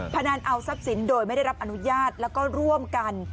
พนันเอาทรัพย์สินโดยไม่ได้รับอนุญาตแล้วก็ร่วมกัน